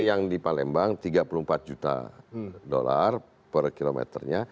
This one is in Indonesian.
yang di palembang tiga puluh empat juta dolar per kilometernya